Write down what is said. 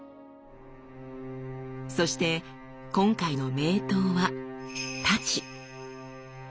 そして今回の名刀は太刀。